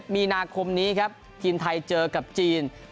มีนาคมนี้ครับทีมไทยเจอกับจีน